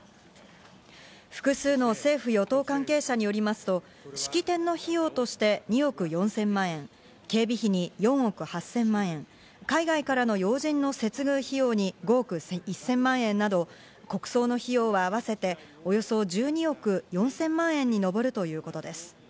複数の政府・与党関係者によりますと、式典の費用として２億４０００万円、警備費に４億８０００万円、海外からの要人の接遇費用に５億１０００万円など、国葬の費用はあわせておよそ１２億４０００万円にのぼるということです。